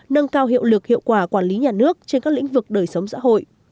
nâng cao hiệu lực hiệu quả quản lý nhà nước trên các lĩnh vực đời sống xã hội